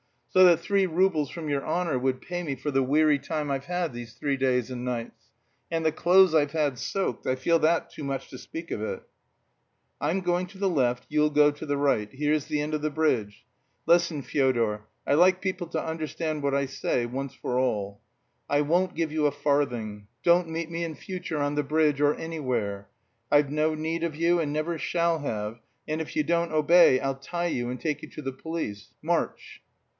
So that three roubles from your honour would pay me for the weary time I've had these three days and nights. And the clothes I've had soaked, I feel that too much to speak of it." "I'm going to the left; you'll go to the right. Here's the end of the bridge. Listen, Fyodor; I like people to understand what I say, once for all. I won't give you a farthing. Don't meet me in future on the bridge or anywhere. I've no need of you, and never shall have, and if you don't obey, I'll tie you and take you to the police. March!"